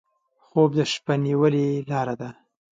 خوب د شپه نیولې لاره ده